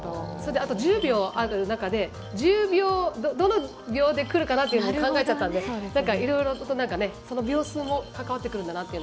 あと１０秒ある中でどの秒でくるかも考えちゃったのでその秒数も関わってくるんだなという。